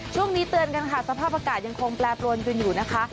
ช่วงนี้เตือนกันค่ะสภาพอากาศยังคงแปรปรวนกันอยู่นะคะ